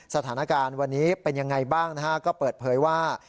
สถานการณ์วันนี้เป็นยังไงบ้างนะฮะก็เปิดเผยว่า